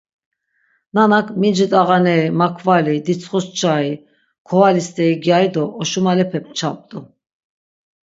Nanak minci t̆ağaneri, markvali, ditsxuş çai, kovali steri gyari do oşumalepe mçapt̆u.